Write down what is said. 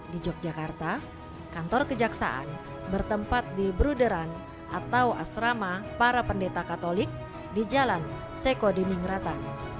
di yogyakarta kantor kejaksaan bertempat di bruderan atau asrama para pendeta katolik di jalan sekodiningrata